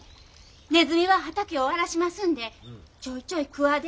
ねずみは畑を荒らしますんでちょいちょい鍬で。